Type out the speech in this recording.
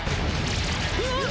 うわっ！